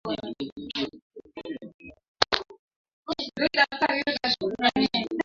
Thailand haijasaini Mkataba wa Wakimbizi wa Umoja wa Mataifa